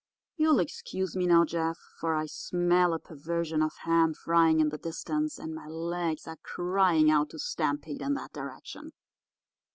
You'll excuse me, now, Jeff, for I smell a pervasion of ham frying in the distance, and my legs are crying out to stampede in that direction.